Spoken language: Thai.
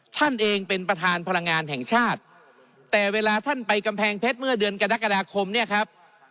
ท่านเองเป็นประธานพลังงานแห่งชาติแต่เวลาท่านไปกำแพงเพชรเมื่อเดือนกรกฎาคมเนี่ยครับ